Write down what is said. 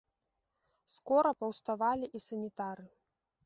Скора паўставалі і санітары.